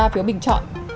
ba phiếu bình chọn